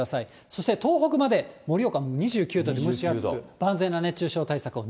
そして東北まで、盛岡２９度と蒸し暑く、万全な熱中症対策を。